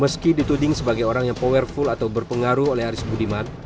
meski dituding sebagai orang yang powerful atau berpengaruh oleh aris budiman